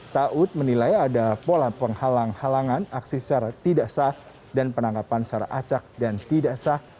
taud menilai ada pola penghalang halangan aksi secara tidak sah dan penangkapan secara acak dan tidak sah